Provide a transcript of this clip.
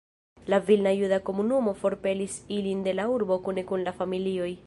La vilna juda komunumo forpelis ilin de la urbo kune kun la familioj.